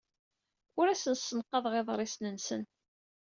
Ur asen-ssenqaḍeɣ iḍrisen-nsen.